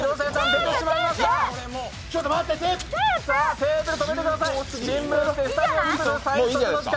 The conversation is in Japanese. テープで止めてください。